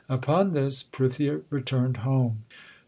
Upon this Prithia returned home.